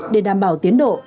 để đảm bảo tiến độ